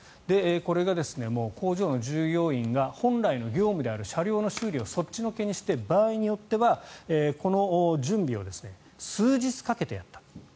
これが工場の従業員が本来の業務である車両の修理をそっちのけにして場合によっては、この準備を数日かけてやった。